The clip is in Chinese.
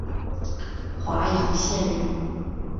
华阳县人。